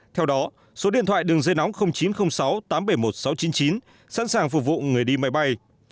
theo đó số điện thoại đường dây nóng chín trăm linh sáu tám trăm bảy mươi một sáu trăm chín mươi chín sẵn sàng phục vụ người đi máy bay